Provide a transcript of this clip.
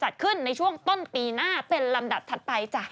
จัดขึ้นในช่วงต้นปีหน้าเป็นลำดับถัดไปจ้ะ